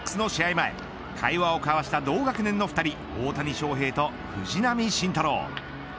前会話を交わした同学年の２人大谷翔平と藤浪晋太郎。